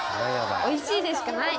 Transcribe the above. おいしいでしかない。